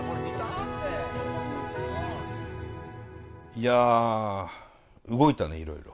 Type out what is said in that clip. いや動いたねいろいろ。